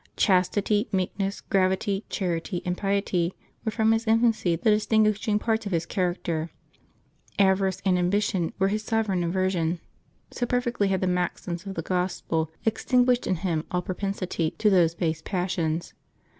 Chastity, meekness, gravity, charity, and piety JuNB 28] LIVES OF THE SAINTS 231 were from his infancy the distinguishing parts of his char acter; avarice and ambition were his sovereign aversion, so perfectly had the maxims of the Gospel extinguished in him all propensity to those base passions.